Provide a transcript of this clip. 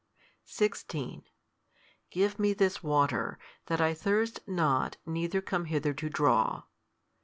16 Give me this water, that I thirst not neither come hither to draw.